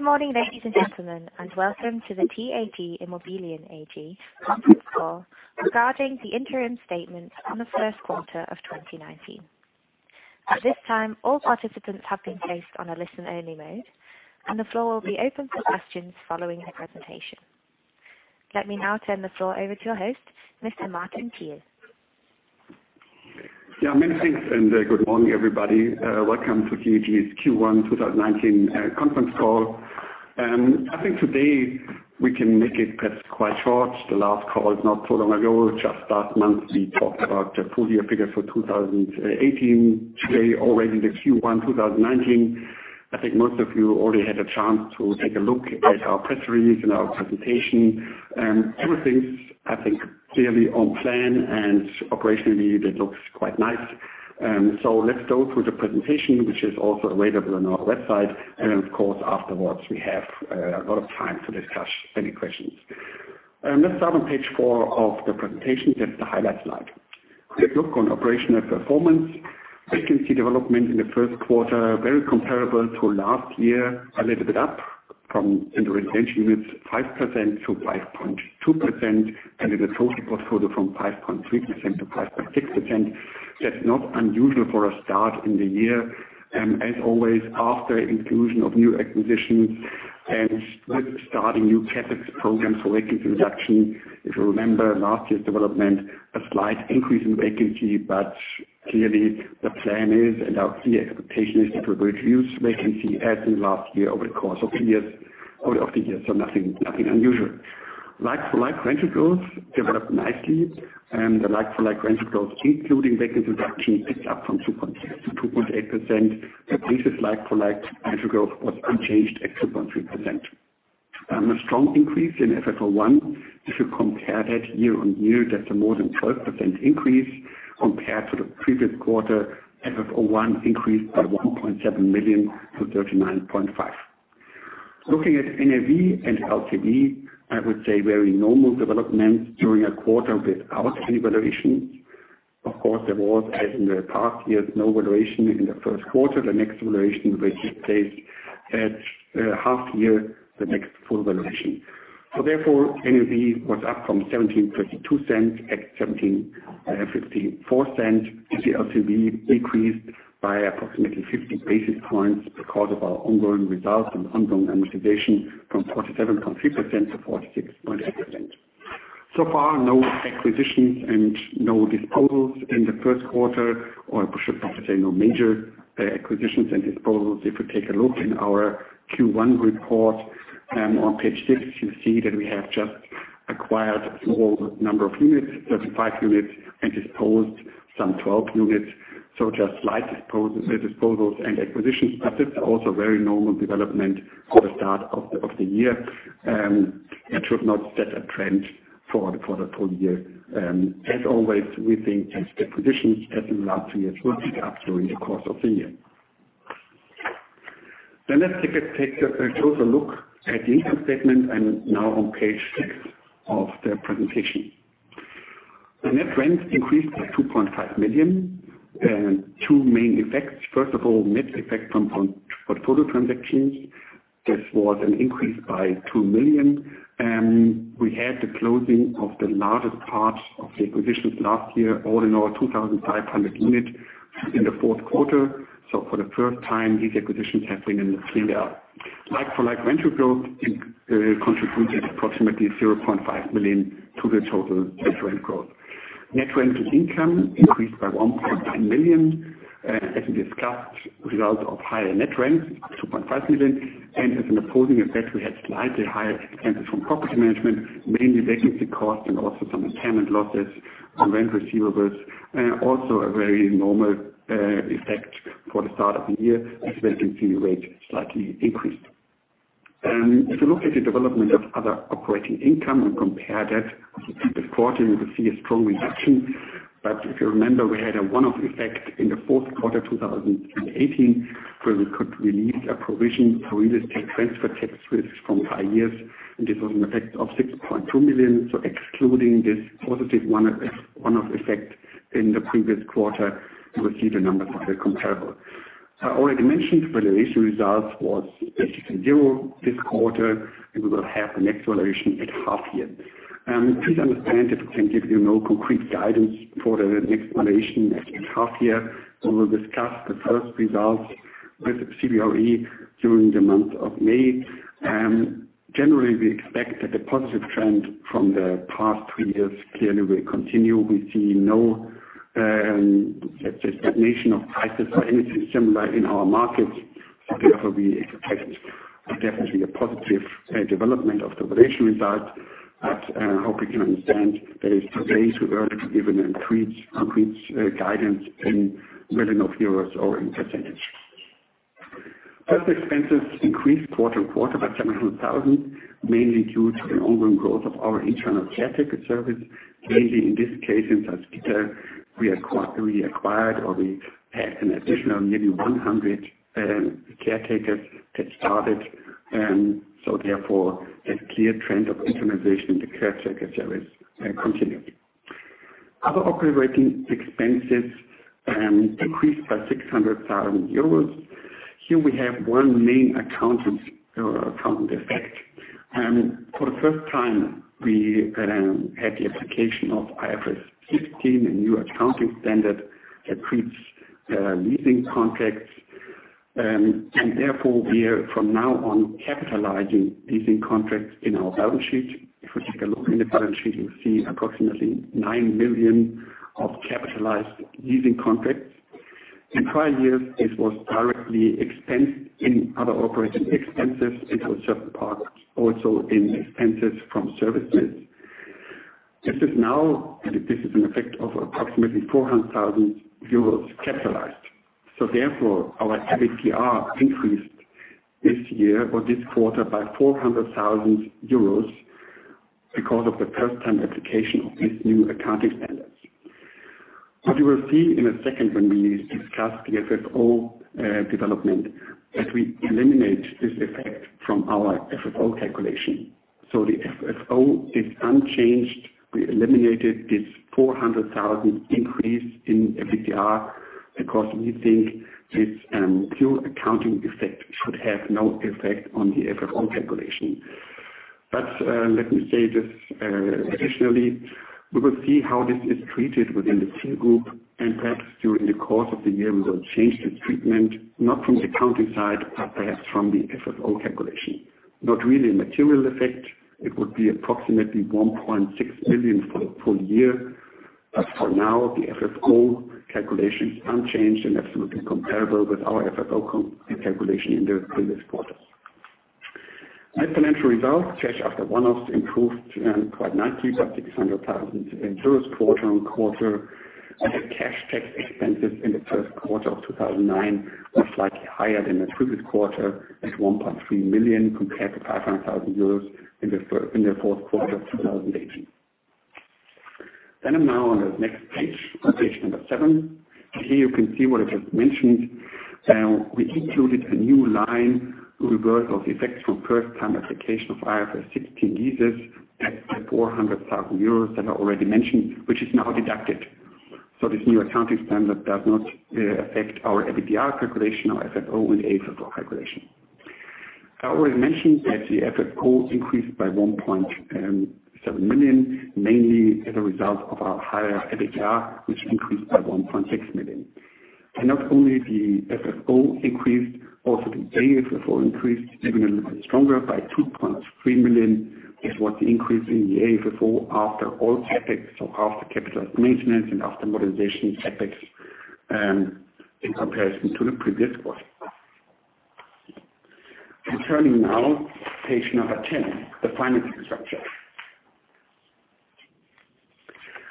Good morning, ladies and gentlemen, and welcome to the TAG Immobilien AG conference call regarding the interim statement on the first quarter of 2019. At this time, all participants have been placed on a listen-only mode, and the floor will be open for questions following the presentation. Let me now turn the floor over to your host, Mr. Martin Thiel. Many thanks. Good morning, everybody. Welcome to TAG's Q1 2019 conference call. I think today we can make it quite short. The last call is not too long ago, just last month. We talked about the full year figures for 2018. Today, already the Q1 2019. I think most of you already had a chance to take a look at our press release and our presentation. Everything's, I think, clearly on plan. Operationally, it looks quite nice. Let's go through the presentation, which is also available on our website. Of course, afterwards, we have a lot of time to discuss any questions. Let's start on page four of the presentation. That's the highlights slide. A quick look on operational performance. Vacancy development in the first quarter, very comparable to last year. A little bit up from in the retention units, 5%-5.2%, and in the total portfolio from 5.3%-5.6%. That's not unusual for a start in the year. As always, after inclusion of new acquisitions and with starting new CapEx programs for vacancy reduction. If you remember last year's development, a slight increase in vacancy, clearly the plan is, and our clear expectation is that we will reduce vacancy as in last year over the course of the year. Nothing unusual. Like-for-like rental growth developed nicely. The like-for-like rental growth, including vacancy reduction, picked up from 2.6% to 2.8%. The previous like-for-like rental growth was unchanged at 2.3%. A strong increase in FFO one. If you compare that year-on-year, that's a more than 12% increase compared to the previous quarter. FFO one increased by 1.7 million to 39.5. Looking at NAV and LTV, I would say very normal development during a quarter without any valuation. Of course, there was, as in the past years, no valuation in the first quarter. The next valuation will take place at half year, the next full valuation. Therefore, NAV was up from 17.32 at 17.54. The LTV decreased by approximately 50 basis points because of our ongoing result and ongoing amortization from 47.3% to 46.3%. So far, no acquisitions and no disposals in the first quarter, or I should probably say no major acquisitions and disposals. If we take a look in our Q1 report on page six, you see that we have just acquired a small number of units, 35 units, and disposed some 12 units. Just slight disposals and acquisitions. That's also very normal development for the start of the year, and should not set a trend for the full year. As always, we think the acquisitions as in the last years will pick up during the course of the year. Let's take a closer look at the income statement. I'm now on page six of the presentation. The net rents increased by 2.5 million. Two main effects. First of all, mix effect from portfolio transactions. This was an increase by 2 million. We had the closing of the largest part of the acquisitions last year, all in all, 2,500 units in the fourth quarter. So for the first time, these acquisitions have been in the clear. like-for-like rental growth contributed approximately 0.5 million to the total net rent growth. Net rent to income increased by 1.9 million. As we discussed, result of higher net rents, 2.5 million. As an opposing effect, we had slightly higher expenses from property management, mainly vacancy cost and also some impairment losses on rent receivables. Also a very normal effect for the start of the year as vacancy rate slightly increased. If you look at the development of other operating income and compare that with the previous quarter, you will see a strong reduction. If you remember, we had a one-off effect in the fourth quarter 2018, where we could release a provision for real estate transfer tax risks from prior years. This was an effect of 6.2 million. Excluding this positive one-off effect in the previous quarter, you will see the numbers are comparable. I already mentioned valuation results was basically zero this quarter, and we will have the next valuation at half year. Please understand that we can give you no concrete guidance for the next valuation at half year. We will discuss the first results with CBRE during the month of May. Generally, we expect that the positive trend from the past three years clearly will continue. We see no stagnation of prices or anything similar in our markets. Therefore, we expect definitely a positive development of the valuation result. I hope you can understand that it's too early to give an increased guidance in million EUR or in percentage. First expenses increased quarter-on-quarter by 700,000, mainly due to the ongoing growth of our internal caretaker service. Mainly in this case in Salzgitter, we acquired, or we had an additional maybe 100 caretakers that started. Therefore, a clear trend of internalization in the caretaker service continued. Other operating expenses decreased by 600,000 euros. Here we have one main accounting effect. For the first time, we had the application of IFRS 16, a new accounting standard that treats leasing contracts. Therefore we are from now on capitalizing leasing contracts in our balance sheet. If we take a look in the balance sheet, you will see approximately 9 million of capitalized leasing contracts. In prior years, this was directly expensed in other operating expenses and for a certain part, also in expenses from services. This is an effect of approximately 400,000 euros capitalized. Therefore our EBITDA increased this year or this quarter by 400,000 euros because of the first time application of this new accounting standard. What you will see in a second when we discuss the FFO development, that we eliminate this effect from our FFO calculation. The FFO is unchanged. We eliminated this 400,000 increase in EBITDA because we think this pure accounting effect should have no effect on the FFO calculation. Let me say this, additionally, we will see how this is treated within the TAG group and perhaps during the course of the year, we will change this treatment, not from the accounting side, but perhaps from the FFO calculation. Not really a material effect. It would be approximately 1.6 million for the full year. For now, the FFO calculation is unchanged and absolutely comparable with our FFO calculation in the previous quarter. Net financial results, cash after one-offs improved quite nicely by 600,000 quarter-on-quarter. The cash tax expenses in the first quarter of 2019 were slightly higher than the previous quarter at 1.3 million compared to 500,000 euros in the fourth quarter 2018. I'm now on the next page seven, and here you can see what I just mentioned. We included a new line reversal of effects from first time application of IFRS 16 leases at 400,000 euros that I already mentioned, which is now deducted. This new accounting standard does not affect our EBITDA calculation or FFO and AFFO calculation. I already mentioned that the FFO increased by 1.7 million, mainly as a result of our higher EBITDA, which increased by 1.6 million. Not only the FFO increased, also the AFFO increased even a little bit stronger by 2.3 million, is what the increase in the AFFO after all CapEx, so after capitalized maintenance and after modernization CapEx, in comparison to the previous quarter. Turning now to page 10, the financing structure.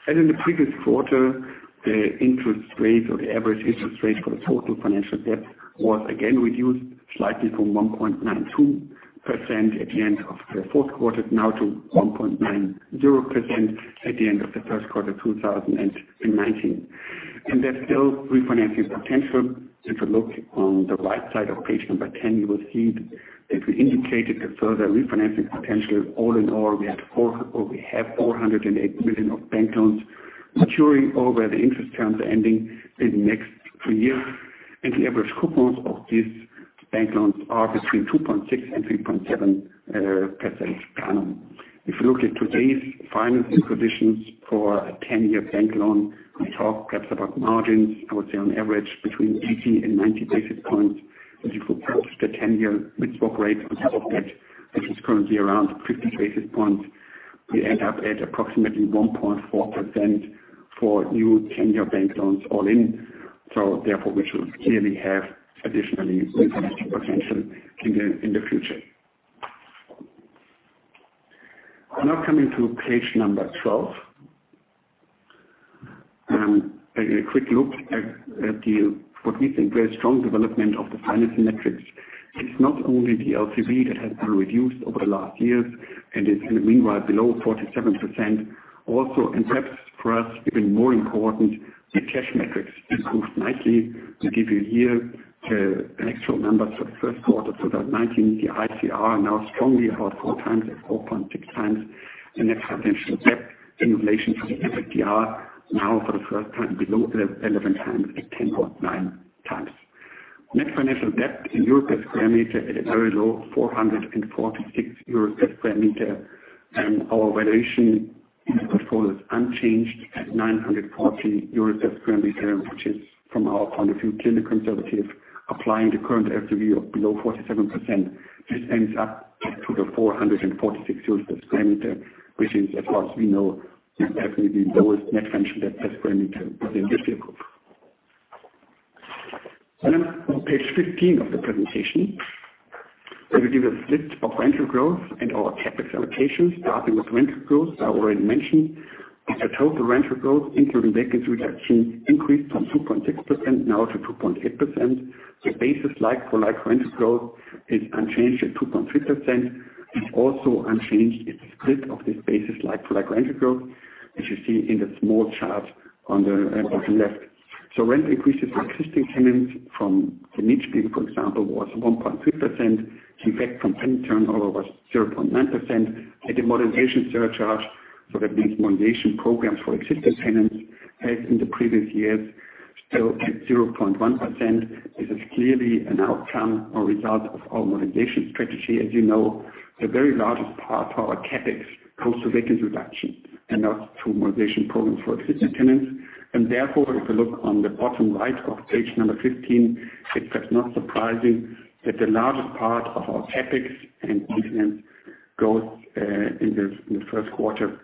As in the previous quarter, the interest rate or the average interest rate for the total financial debt was again reduced slightly from 1.92% at the end of the fourth quarter, now to 1.90% at the end of the first quarter 2019. There's still refinancing potential. If you look on the right side of page 10, you will see that we indicated a further refinancing potential. All in all, we have 408 million of bank loans maturing or where the interest terms are ending in the next three years. The average coupons of these bank loans are between 2.6% and 3.7% per annum. If you look at today's financing positions for a 10-year bank loan, we talk perhaps about margins, I would say on average between 80 and 90 basis points. If you purchase the 10-year mid-swap rate on top of that, which is currently around 50 basis points, we end up at approximately 1.4% for new 10-year bank loans all in. Therefore we should clearly have additionally refinancing potential in the future. Coming to page 12. A quick look at what we think very strong development of the financing metrics. It's not only the LTV that has been reduced over the last years and is meanwhile below 47%. Also, perhaps for us even more important, the cash metrics improved nicely. To give you here an actual number for the first quarter 2019, the ICR now strongly about 4 times at 4.6 times. The net financial debt in relation to the FFO now for the first time below 11 times at 10.9 times. Net financial debt in EUR per square meter at a very low 446 euros per square meter. Our valuation in the portfolio is unchanged at 940 euros per square meter, which is from our point of view clearly conservative. Applying the current FFO of below 47%, this ends up to the 446 per square meter, which is as far as we know, definitely the lowest net financial debt per square meter within the TAG group. On page 15 of the presentation, we give a split of rental growth and our CapEx allocations, starting with rental growth I already mentioned. The total rental growth including vacancy reduction increased from 2.6% now to 2.8%. The basis like-for-like rental growth is unchanged at 2.3%. It's also unchanged, its split of this basis like-for-like rental growth, as you see in the small chart on the left. So rent increases for existing tenants from the [Mietspiegel], for example, was 1.3%. The effect from tenant turnover was 0.9%. The modernization surcharge, so that means modernization programs for existing tenants, as in the previous years, still at 0.1%. This is clearly an outcome or result of our modernization strategy. As you know, the very largest part of our CapEx comes through vacancy reduction and not through modernization programs for existing tenants. Therefore, if you look on the bottom right of page 15, it's perhaps not surprising that the largest part of our CapEx and maintenance growth in the first quarter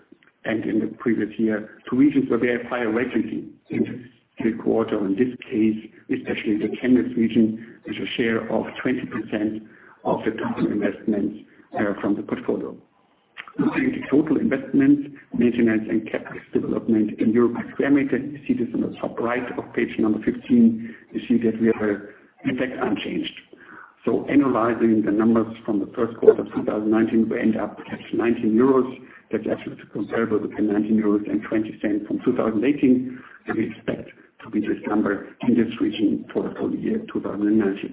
and in the previous year to regions where we have higher vacancy in the quarter, in this case, especially the Chemnitz region, with a share of 20% of the total investment from the portfolio. Looking at the total investment, maintenance, and CapEx development in EUR per square meter, you see this in the top right of page 15. You see that we are in fact unchanged. Analyzing the numbers from the first quarter of 2019, we end up at 19 euros. That's actually comparable with the 19.20 from 2018, and we expect to be this number in this region for the full year 2019.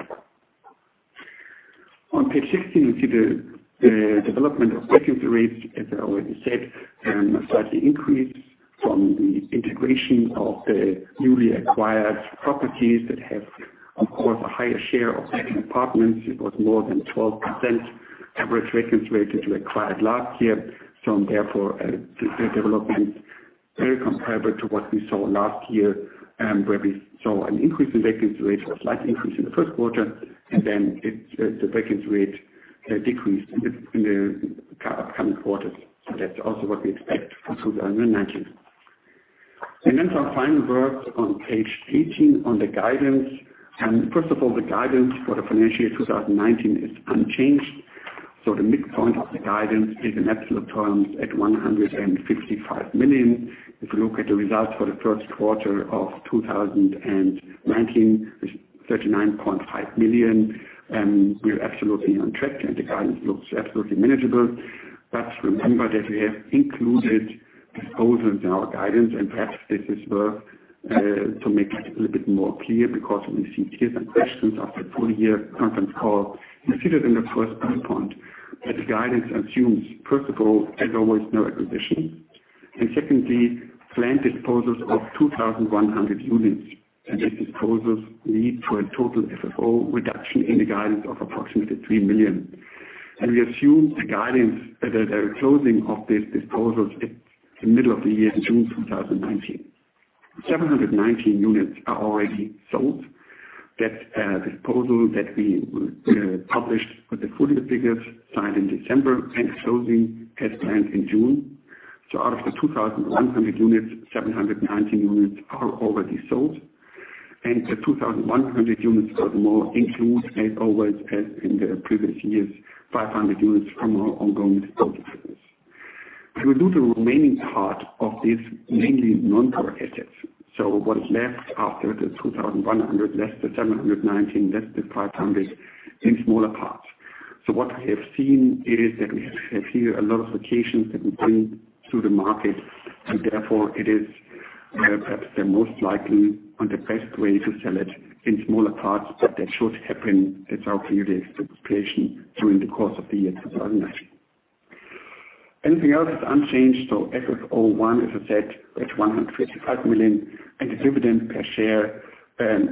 On page 16, we see the development of vacancy rates, as I already said, slightly increased from the integration of the newly acquired properties that have, of course, a higher share of second apartments. It was more than 12% average vacancy rate that we acquired last year. Therefore, the development very comparable to what we saw last year, where we saw an increase in vacancy rates, a slight increase in the first quarter, and then the vacancy rate decreased in the upcoming quarters. That's also what we expect for 2019. Some final words on page 18 on the guidance. First of all, the guidance for the financial year 2019 is unchanged. The midpoint of the guidance is in absolute terms at 155 million. If you look at the results for the first quarter of 2019, it's 39.5 million. We're absolutely on track, the guidance looks absolutely manageable. Remember that we have included disposals in our guidance, perhaps this is worth to make it a little bit more clear because we received here some questions after the full year conference call. You see that in the first bullet point that the guidance assumes, first of all, as always, no acquisition. Secondly, planned disposals of 2,100 units. These disposals lead to a total FFO reduction in the guidance of approximately 3 million. We assume the closing of these disposals in the middle of the year, in June 2019. 719 units are already sold. That disposal that we published with the full year figures signed in December and closing as planned in June. Out of the 2,100 units, 719 units are already sold. The 2,100 units or more include, as always, as in the previous years, 500 units from our ongoing development business. We will do the remaining part of these mainly non-core assets. What is left after the 2,100 less the 719 less the 500 in smaller parts. What we have seen is that we have here a lot of locations that we bring to the market, therefore it is perhaps the most likely and the best way to sell it in smaller parts. That should happen as our view, the expectation during the course of the year 2019. Anything else is unchanged. FFO I, as I said, at 155 million. The dividend per share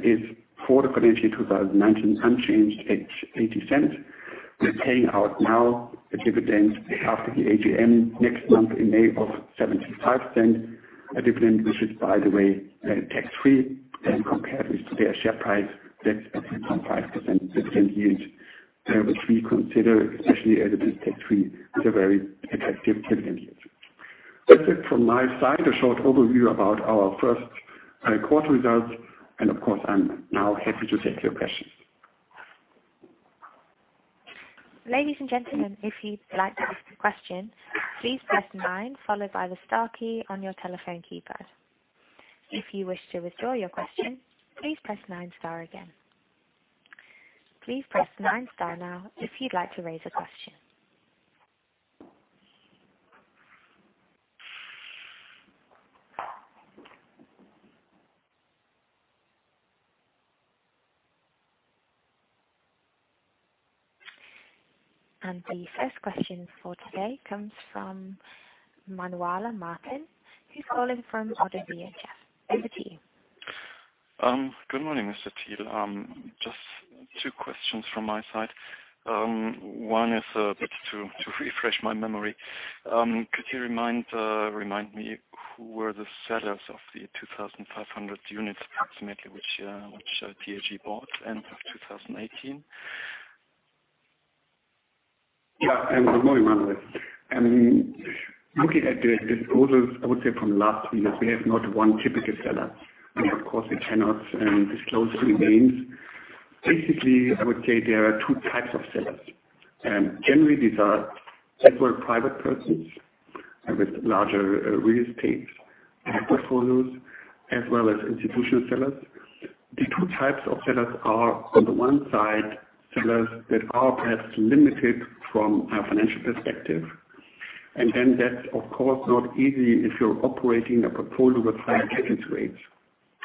is for the financial year 2019, unchanged at 0.80. We're paying out now the dividend after the AGM next month in May of 0.75. A dividend, which is, by the way, tax-free and compared with today's share price, that's a 5.5% dividend yield, which we consider, especially as it is tax-free, is a very attractive dividend yield. That's it from my side. A short overview about our first quarter results. Of course, I'm now happy to take your questions. Ladies and gentlemen, if you'd like to ask a question, please press 9 followed by the star key on your telephone keypad. If you wish to withdraw your question, please press 9 star again. Please press 9 star now if you'd like to raise a question. The first question for today comes from Manuel Martin. He's calling from ODDO BHF. Over to you. Good morning, Mr. Thiel. Just two questions from my side. One is a bit to refresh my memory. Could you remind me who were the sellers of the 2,500 units approximately, which TAG bought end of 2018? Yeah. Good morning, Manuel. Looking at the disposals, I would say from the last three years, we have not one typical seller. Of course, we cannot disclose the names. Basically, I would say there are two types of sellers. Generally, these are private persons with larger real estate portfolios, as well as institutional sellers. The two types of sellers are, on the one side, sellers that are perhaps limited from a financial perspective. Then that's, of course, not easy if you're operating a portfolio with high CapEx rates.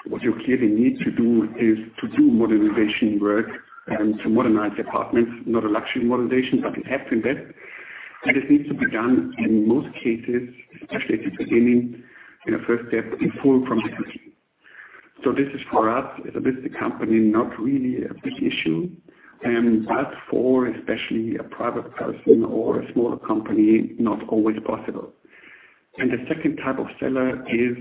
What you clearly need to do is to do modernization work and to modernize apartments, not a luxury modernization, but it helps in that. This needs to be done, in most cases, especially at the beginning, in a first step, in full from the beginning. This is for us, as a listed company, not really a big issue. For, especially a private person or a smaller company, not always possible. The second type of seller is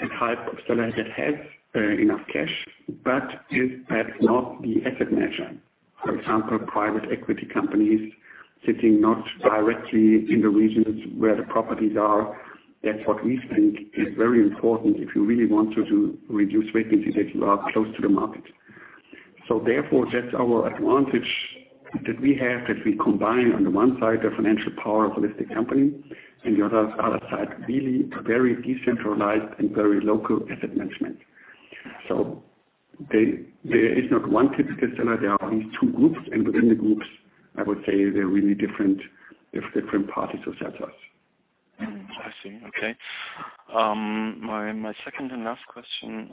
the type of seller that has enough cash, but is perhaps not the asset manager. For example, private equity companies sitting not directly in the regions where the properties are. That's what we think is very important if you really want to reduce vacancy, that you are close to the market. Therefore, that's our advantage that we have, that we combine on the one side, the financial power of a listed company, and the other side, really a very decentralized and very local asset management. There is not one typical seller. There are these two groups, and within the groups, I would say, there are really different parties or sellers. I see. Okay. My second and last question.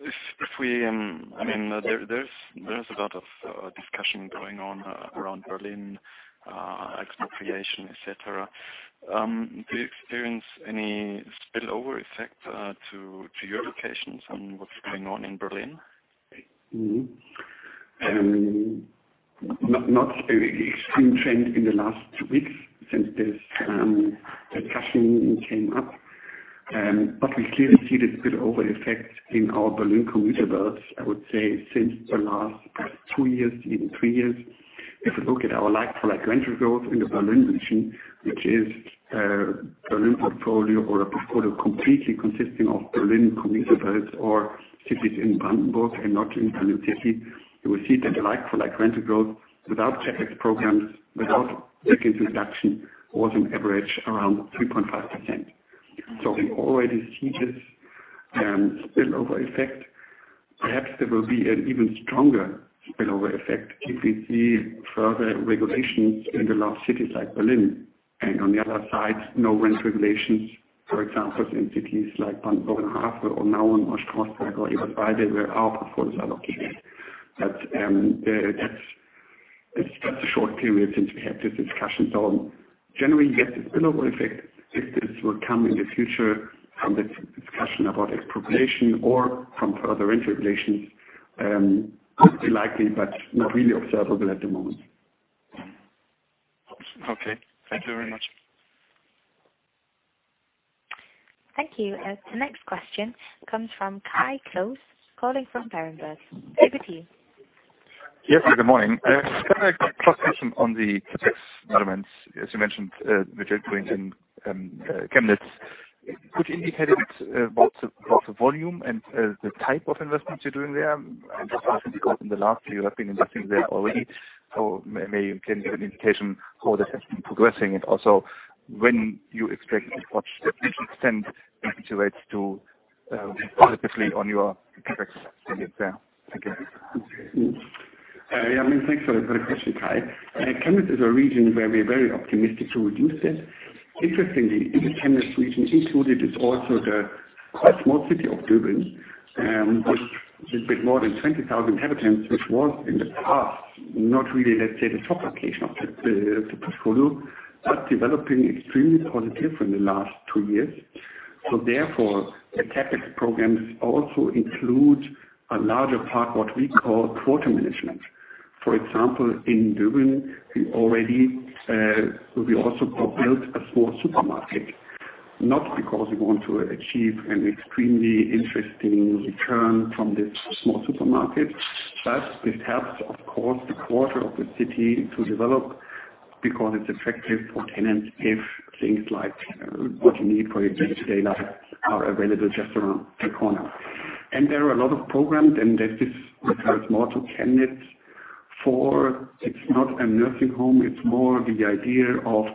There's a lot of discussion going on around Berlin, expropriation, et cetera. Do you experience any spillover effect to your locations on what's going on in Berlin? Mm-hmm. Not a extreme trend in the last weeks since this discussion came up. We clearly see this spillover effect in our Berlin commuter belts, I would say, since the last two years, even three years. If you look at our like-for-like rental growth in the Berlin region, which is a Berlin portfolio, or a portfolio completely consisting of Berlin commuter belts or cities in Brandenburg and not in Berlin city, you will see that the like-for-like rental growth without CapEx programs, without vacancy reduction, was on average around 3.5%. We already see this spillover effect. Perhaps there will be an even stronger spillover effect if we see further regulations in the large cities like Berlin, and on the other side, no rent regulations. For example, in cities like Brandenburg or now in Ostkreuz or even Freiberg where our portfolios are located. It's just a short period since we had this discussion. Generally, yes, the spillover effect, if this will come in the future from this discussion about expropriation or from further rent regulations, could be likely, but not really observable at the moment. Okay. Thank you very much. Thank you. The next question comes from Kai Klose, calling from Berenberg. Over to you. Yes. Good morning. Just a quick question on the CapEx elements. As you mentioned, Mittelpunkt and Chemnitz. Could you indicate a bit about the volume and the type of investments you are doing there? I am just asking because in the last year you have been investing there already. Maybe you can give an indication how that has been progressing and also when you expect what additional spend contributes to positively on your CapEx there. Thank you. Yeah, thanks for the question, Kai. Chemnitz is a region where we are very optimistic to reduce this. Interestingly, in the Chemnitz region included is also the quite small city of Döbeln, with a bit more than 20,000 inhabitants, which was, in the past, not really, let's say, the top location of the portfolio, but developing extremely positive in the last two years. Therefore, the CapEx programs also include a larger part, what we call Quartiersmanagement. For example, in Döbeln, we also built a small supermarket. Not because we want to achieve an extremely interesting return from this small supermarket, but this helps, of course, the quarter of the city to develop because it is attractive for tenants if things like what you need for your day-to-day life are available just around the corner. There are a lot of programs, and this refers more to Chemnitz, for it is not a nursing home, it is more the idea of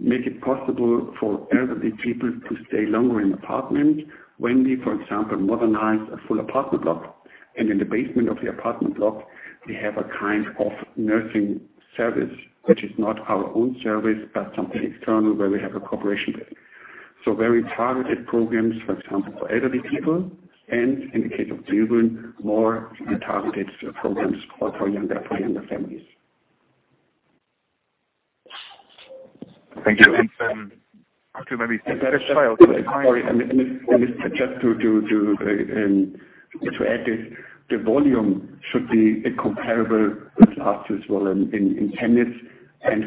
make it possible for elderly people to stay longer in apartment. When we for example modernize a full apartment block, and in the basement of the apartment block, we have a kind of nursing service, which is not our own service, but something external where we have a cooperation with. Very targeted programs, for example, for elderly people and in the case of Döbeln, more targeted programs for younger families. Thank you. Sorry, just to add this. The volume should be comparable with last year's volume in Chemnitz.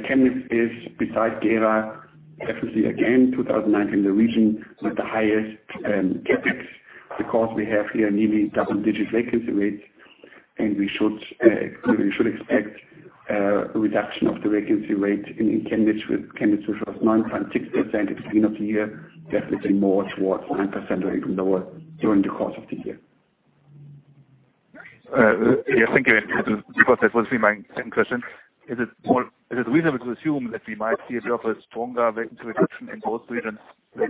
Chemnitz is, besides Gera, definitely again 2019 the region with the highest CapEx because we have here nearly double-digit vacancy rates, and we should expect a reduction of the vacancy rate in Chemnitz, which was 9.6% at the beginning of the year, definitely more towards 9% or even lower during the course of the year. Yeah. Thank you. That was to be my second question. Is it reasonable to assume that we might see a bit of a stronger vacancy reduction in both regions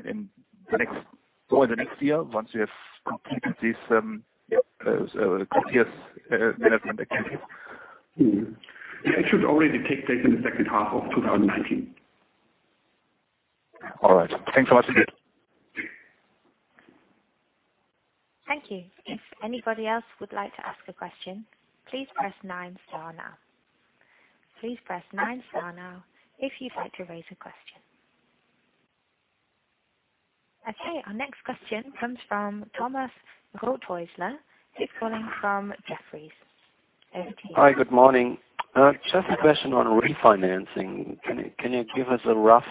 in the next year, once we have completed this, CapEx management activity. It should already take place in the second half of 2019. All right. Thanks a lot. Thank you. If anybody else would like to ask a question, please press nine star now. Please press nine star now if you'd like to raise a question. Our next question comes from Thomas Rothäusler. He's calling from Jefferies. Over to you. Hi, good morning. Just a question on refinancing. Can you give us a rough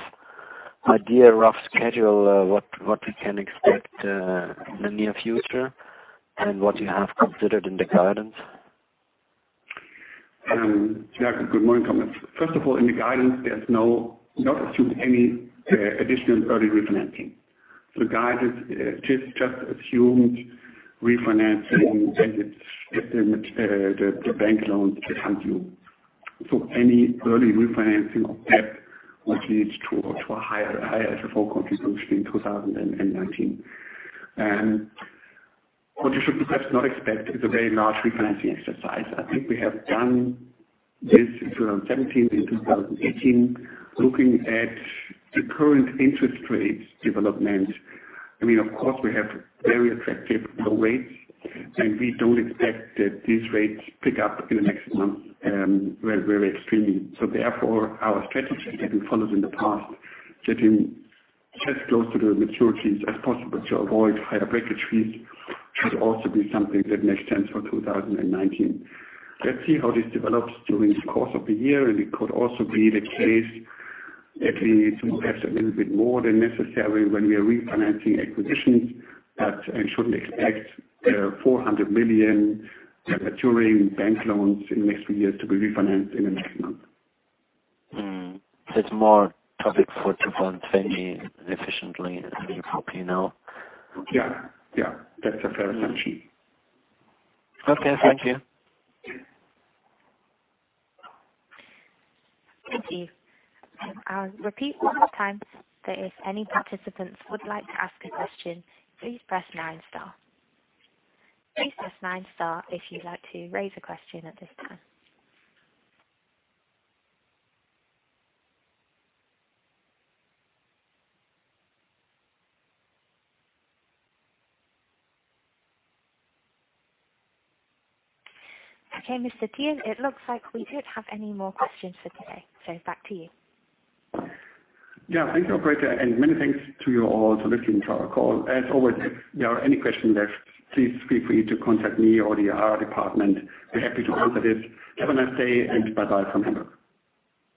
idea, rough schedule of what we can expect in the near future and what you have considered in the guidance? Good morning, Thomas. First of all, in the guidance, there's not assumed any additional early refinancing. Guidance just assumed refinancing the bank loans to hand you. Any early refinancing of debt would lead to a higher FFO contribution in 2019. What you should perhaps not expect is a very large refinancing exercise. I think we have done this in 2017, in 2018. Looking at the current interest rates development, of course we have very attractive low rates and we don't expect that these rates pick up in the next months very extremely. Therefore, our strategy that we followed in the past, sitting as close to the maturities as possible to avoid higher breakage fees should also be something that makes sense for 2019. Let's see how this develops during the course of the year. It could also be the case that we need to have a little bit more than necessary when we are refinancing acquisitions. I shouldn't expect 400 million maturing bank loans in the next few years to be refinanced in the next month. That's more topic for 2020 efficiently than you probably know. That's a fair assumption. Thank you. Thank you. I'll repeat one more time that if any participants would like to ask a question, please press nine star. Please press nine star if you'd like to raise a question at this time. Mr. Thiel, it looks like we don't have any more questions for today, so back to you. Yeah. Thank you, operator, and many thanks to you all to listening to our call. As always, if there are any questions left, please feel free to contact me or the IR department. We're happy to answer this. Have a nice day and bye-bye from Hamburg.